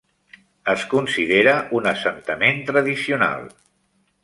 Es considera un assentament tradicional.